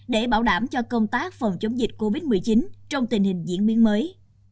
để bảo đảm cho công tác phòng chống dịch covid một mươi chín trong tình hình diễn biến mới